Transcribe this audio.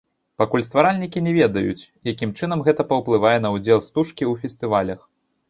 Пакуль стваральнікі не ведаюць, якім чынам гэта паўплывае на ўдзел стужкі ў фестывалях.